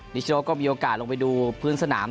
นิชโนก็มีโอกาสลงไปดูพื้นสนาม